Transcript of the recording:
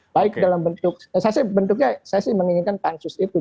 baik dalam bentuk saya sih bentuknya saya sih menginginkan pansus itu